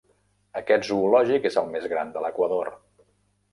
Aquest zoològic és el més gran de l'Equador.